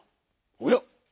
おや？